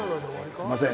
すみません。